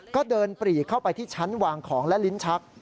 ก็เดินปรีเข้าไปที่ชั้นวางของและลิ้นชัก